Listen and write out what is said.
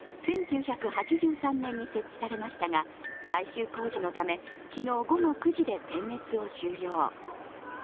１９８３年に設置されましたが、改修工事のため昨日午後９時で点滅を終了。